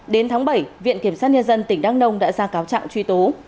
đến tháng bảy viện kiểm soát nhân dân tỉnh đăng nông đã ra cáo trạng truy tố